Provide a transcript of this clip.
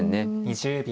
２０秒。